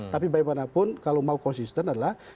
tapi bagaimanapun kalau mau konsisten adalah